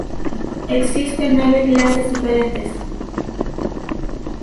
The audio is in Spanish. Existen nueve clases diferentes.